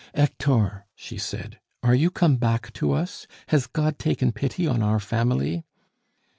"Hector!" she said, "are you come back to us? Has God taken pity on our family?"